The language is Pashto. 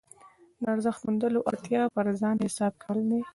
د ارزښت موندلو اړتیا پر ځان حساب کول ده.